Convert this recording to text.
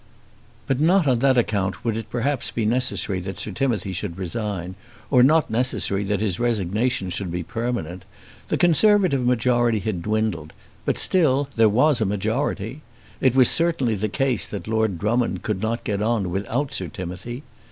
But not on that account would it perhaps be necessary that Sir Timothy should resign, or not necessary that his resignation should be permanent. The Conservative majority had dwindled, but still there was a majority. It certainly was the case that Lord Drummond could not get on without Sir Timothy.